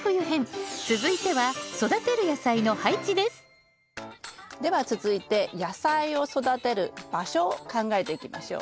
続いてはでは続いて野菜を育てる場所を考えていきましょう。